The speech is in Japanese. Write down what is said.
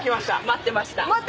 待ってました！